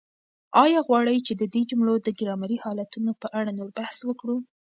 آیا غواړئ چې د دې جملو د ګرامري حالتونو په اړه نور بحث وکړو؟